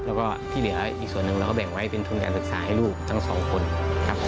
แล้วก็ที่เหลืออีกส่วนหนึ่งเราก็แบ่งไว้เป็นทุนการศึกษาให้ลูกทั้งสองคนครับ